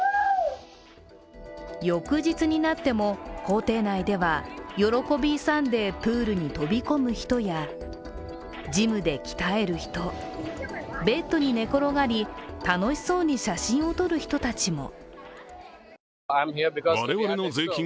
翌日になっても公邸内では喜びいさんでプールに飛び込む人やジムで鍛える人、ベッドに寝転がり楽しそうに写真を撮る人たちも。